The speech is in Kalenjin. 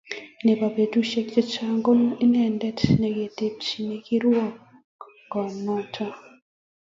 Nebo betusiek chechang ko inendet nekitebchini kirwokonoto